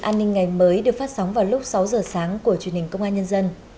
an ninh ngày mới được phát sóng vào lúc sáu giờ sáng của truyền hình công an nhân dân